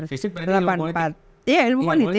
fisip berarti ilmu politik